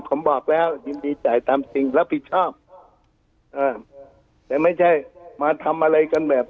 ผมบอกแล้วยินดีจ่ายตามจริงรับผิดชอบอ่าแต่ไม่ใช่มาทำอะไรกันแบบ